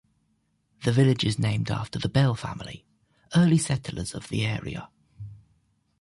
The village is named after the Bell family, early settlers of the area.